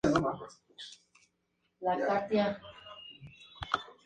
Fue escrita por Kotecha, Amber, Max Martin y Shellback, producida por los dos últimos.